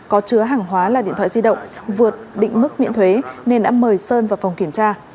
có chứa hàng hóa là điện thoại di động vượt định mức miễn thuế nên đã mời sơn vào phòng kiểm tra